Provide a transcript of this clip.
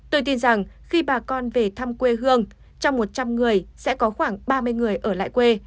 tôi tin rằng khi bà con về thăm quê hương trong một trăm linh người sẽ có khoảng ba mươi người ở lại quê